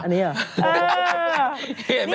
อันนี้เหรอ